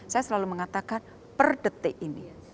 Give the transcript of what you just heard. saya selalu mengatakan per detik ini